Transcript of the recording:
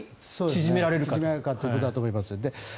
縮められるかというところだと思います。